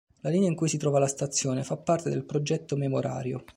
La linea in cui si trova la stazione fa parte del progetto Memorario.